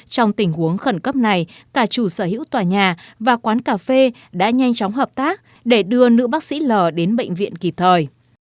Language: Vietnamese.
trong tình huống khẩn cấp này cả chủ sở hữu tòa nhà và quán cà phê đã nhanh chóng hợp tác để đưa nữ bác sĩ l đến bệnh viện kịp thời